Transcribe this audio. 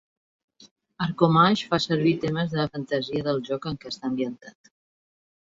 "Arcomage" fa servir temes de fantasia del joc en què està ambientat.